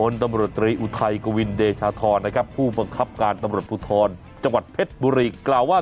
ยังไงต่อครับผู้บังคับการตำรวจภูธรจังหวัดเพชรบุรีกล่าวว่า